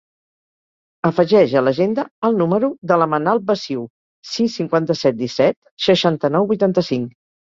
Afegeix a l'agenda el número de la Manal Baciu: sis, cinquanta-set, disset, seixanta-nou, vuitanta-cinc.